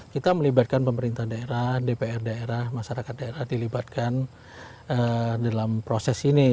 kita melibatkan pemerintah daerah dpr daerah masyarakat daerah dilibatkan dalam proses ini